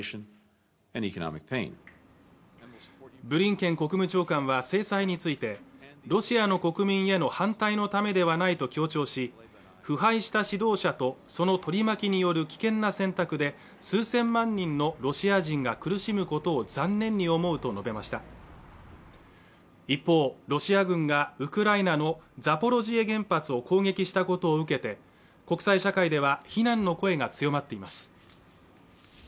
ブリンケン国務長官は制裁についてロシアの国民への反対のためではないと強調し腐敗した指導者とその取り巻きによる危険な選択で数千万人のロシア人が苦しむことを残念に思うと述べました一方ロシア軍がウクライナのザポロジエ原発を攻撃したことを受けて国際社会では非難の声が強まっています